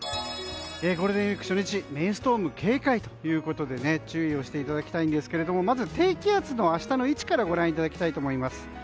ゴールデンウィーク初日メイストーム警戒ということで注意をしていただきたいんですがまず低気圧の明日の位置からご覧いただきたいと思います。